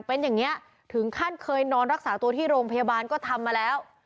เป็นอย่างนี้ถึงขั้นเคยนอนรักษาตัวที่โรงพยาบาลก็ทำมาแล้ว